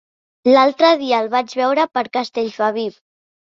L'altre dia el vaig veure per Castellfabib.